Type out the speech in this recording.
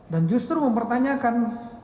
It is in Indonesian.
dan justru mempertanyakan